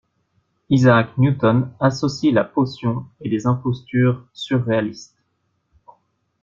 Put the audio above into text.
Isaac Newton associe la potion et des impostures surréalistes.